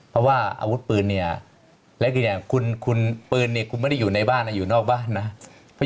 เพราะว่าอาวุธปืนเนี่ยและดีอย่างคุณปืนเนี่ยคุณไม่ได้อยู่ในบ้านนะอยู่นอกบ้านนะ